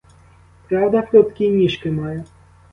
Правда, прудкі ніжки маю?